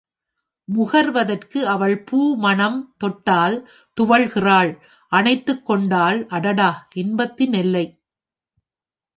முகர்வதற்கு அவள் பூ மணம் தொட்டால் துவள்கிறாள் அணைத்துக் கொண்டாள் அடடா இன்பத்தின் எல்லை.